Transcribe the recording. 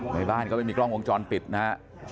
ในบ้านก็ไม่มีกล้องวงจรปิดนะฮะ